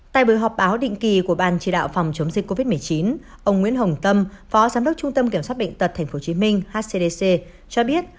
tại buổi họp báo định kỳ của ban chỉ đạo phòng chống dịch covid một mươi chín ông nguyễn hồng tâm phó giám đốc trung tâm kiểm soát bệnh tật tp hcm hcdc cho biết